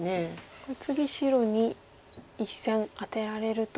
これ次白に１線アテられると。